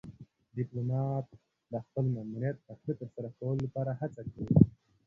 ډيپلومات د خپل ماموریت د ښه ترسره کولو لپاره هڅه کوي.